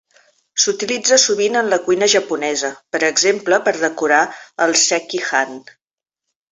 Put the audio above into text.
S'utilitza sovint en la cuina japonesa, per exemple per decorar el "sekihan".